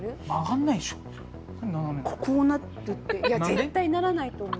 こうなるっていや絶対ならないと思う